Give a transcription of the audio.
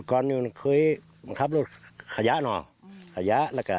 ปลุกตอบเข้าหูอะ